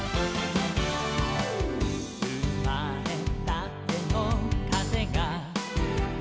「うまれたてのかぜが」